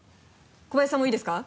小林さんもいいですか？